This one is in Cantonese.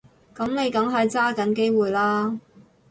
噉你梗係揸緊機會啦